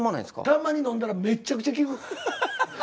たんまにのんだらめっちゃくちゃ効く。